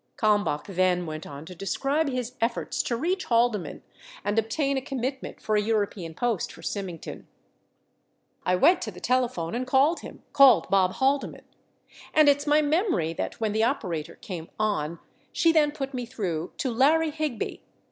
3 Kalmbach then went on to describe his efforts to reach Haldeman and obtain a commitment for a European post for Symington : I went to the telephone and called him, called Bob Halde man. And it's my memory that when the operator came on, she then put me through to Larry Higby.